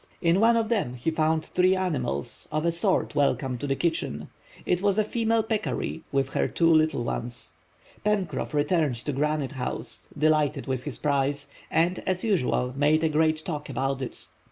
In one of them, he found three animals, of a sort welcome to the kitchen. It was a female peccary with her two little ones. Pencroff returned to Granite House, delighted with his prize, and, as usual, made a great talk about it.